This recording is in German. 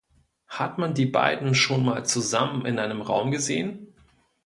Hat man die beiden schon mal zusammen in einem Raum gesehen?